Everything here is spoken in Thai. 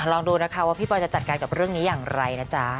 ลองดูนะคะว่าพี่ปอยจะจัดการกับเรื่องนี้อย่างไรนะจ๊ะ